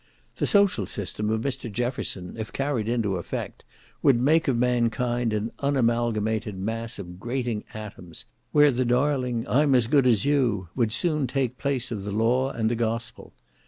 The social system of Mr. Jefferson, if carried into effect, would make of mankind an unamalgamated mass of grating atoms, where the darling "I'm as good as you," would soon take place of the law and the Gospel.